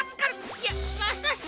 いやわたしが！